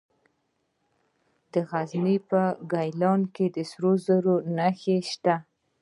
د غزني په ګیلان کې د سرو زرو نښې شته.